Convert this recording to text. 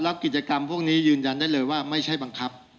แล้วกิจกรรมพวกนี้ยืนยันได้เลยว่าไม่ใช่บังคับ